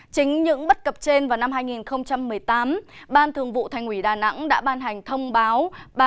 chính những bất cập trên vào năm hai nghìn một mươi tám ban thường vụ thành quỷ đà nẵng đã ban hành thông báo ba trăm ba mươi một